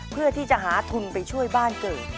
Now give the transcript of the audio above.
เพื่อที่จะหาทุนไปช่วยบ้านเกิด